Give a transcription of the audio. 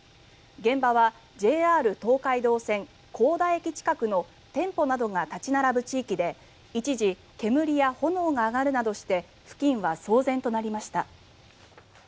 現場はＪＲ東海道線幸田駅近くの店舗などが立ち並ぶ地域で一時、煙や炎が上がるなどして付近は騒然となりました。